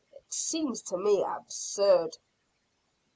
It seems to me absurd?"